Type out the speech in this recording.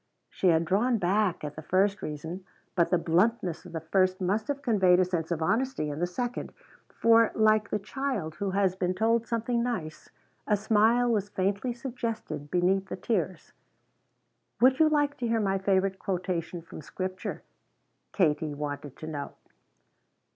She had drawn back at the first reason; but the bluntness of the first must have conveyed a sense of honesty in the second, for like the child who has been told something nice, a smile was faintly suggested beneath the tears. "Would you like to hear my favorite quotation from Scripture?" Kate wanted to know.